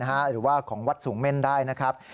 หรือว่าของวัดสูงเม่นได้นะครับ